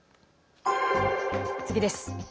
次です。